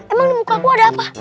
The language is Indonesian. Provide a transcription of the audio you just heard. emang di mukaku ada apa